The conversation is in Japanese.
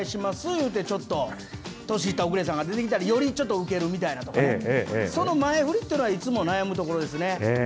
言うて、ちょっと年いったオクレさんが出てきたら、よりちょっとウケるみたいなとか、その前振りっていうのは、いつも悩むところですね。